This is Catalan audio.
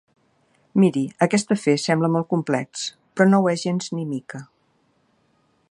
Miri, aquest afer sembla molt complex però no ho és gens ni mica.